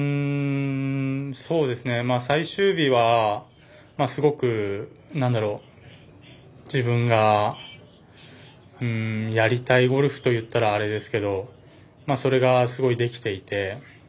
最終日はすごく自分がやりたいゴルフといったらあれですけどそれが、すごいできていて。